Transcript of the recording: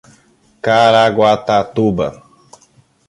Caraguatatuba